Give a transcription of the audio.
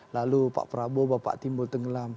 lalu pak prabowo bapak timbul tenggelam